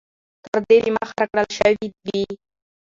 تر دې د مخه را كړل شوي وې